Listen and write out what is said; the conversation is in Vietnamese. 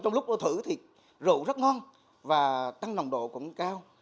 trong lúc ô thử thì rượu rất ngon và tăng nồng độ cũng cao